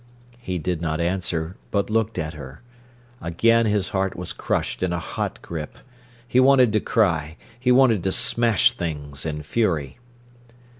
He did not answer, but looked at her. Again his heart was crushed in a hot grip. He wanted to cry, he wanted to smash things in fury.